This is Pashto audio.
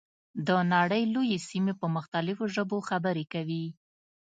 د نړۍ لویې سیمې په مختلفو ژبو خبرې کوي.